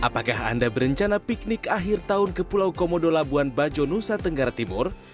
apakah anda berencana piknik akhir tahun ke pulau komodo labuan bajo nusa tenggara timur